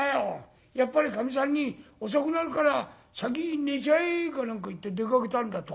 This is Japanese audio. やっぱりかみさんに『遅くなるから先に寝ちゃえ』か何か言って出かけたんだと。